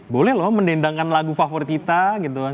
boleh loh mendendangkan lagu favorit kita gitu kan